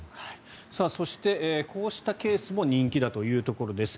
そして、こうしたケースも人気だということです。